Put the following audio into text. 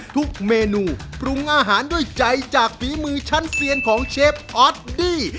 ทุกเมนูปรุงอาหารด้วยใจจากฝีมือชั้นเซียนของเชฟออสดี้